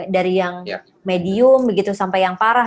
dari yang medium begitu sampai yang parah